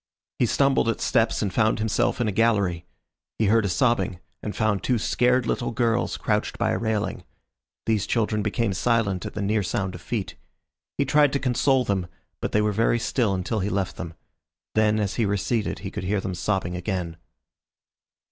He stumbled at steps and found himself in a gallery. He heard a sobbing, and found two scared little girls crouched by a railing. These children became silent at the near sound of feet. He tried to console them, but they were very still until he left them. Then as he receded he could hear them sobbing again.